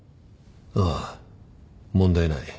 ああ問題ない。